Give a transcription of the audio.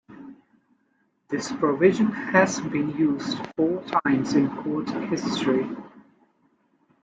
This provision has been used four times in Court history.